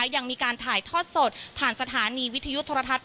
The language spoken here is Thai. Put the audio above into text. ยังมีการถ่ายทอดสดผ่านสถานีวิทยุโทรทัศน